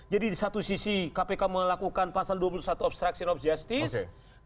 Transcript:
jadi di satu sisi kpk melakukan pasal dua puluh satu obstruction of justice